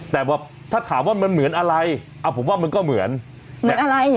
แต่แบบถ้าถามว่ามันเหมือนอะไรผมว่ามันก็เหมือนเหมือนอะไร